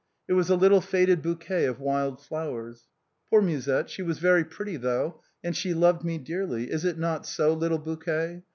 It was a little faded bouquet of wild flowers. " Poor Musette ! she was very pretty though, and she loved me dearly, is it not so, little bouquet?